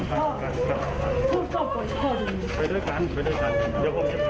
เอ้ยเอ้ยเอ้ยเอ้ย